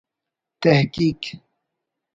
تحقیق